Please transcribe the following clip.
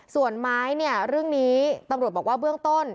ส่วนไม้เนี่ยเรื่องนี้ตำรวจบอกว่าเบื้องต้น